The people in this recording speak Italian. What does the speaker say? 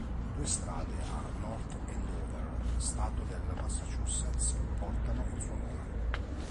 Due strade a North Andover, stato del Massachusetts, portano il suo nome.